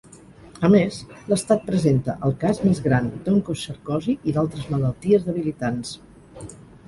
A més, l'estat presenta el cas més gran d'oncocercosi i d'altres malalties debilitants.